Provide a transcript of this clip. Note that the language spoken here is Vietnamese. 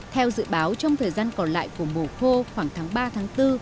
theo dự báo trong thời gian còn lại của mùa khô khoảng tháng ba bốn